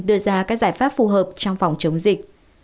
đưa ra các giải pháp phù hợp trong phòng chống dịch